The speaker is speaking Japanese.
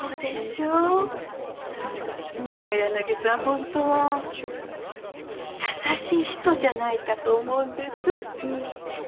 本当は優しい人じゃないかと思うんです。